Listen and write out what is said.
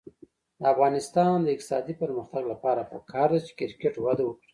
د افغانستان د اقتصادي پرمختګ لپاره پکار ده چې کرکټ وده وکړي.